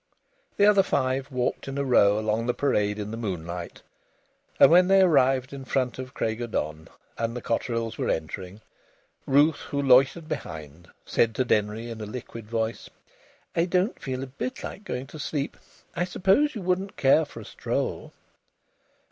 The other five walked in a row along the Parade in the moonlight. And when they arrived in front of Craig y don, and the Cotterills were entering, Ruth, who loitered behind, said to Denry in a liquid voice: "I don't feel a bit like going to sleep. I suppose you wouldn't care for a stroll?"